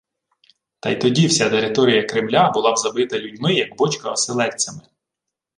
Та й тоді вся територія Кремля була б забита людьми, як бочка оселедцями